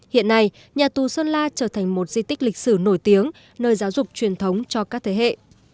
hiện nay nhà tù sơn la trở thành một di tích lịch sử nổi tiếng nơi giáo dục truyền thống cho các thế hệ